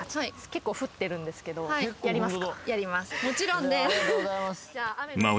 結構降ってるんですけどやります